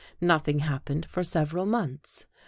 Nothing happened for several months.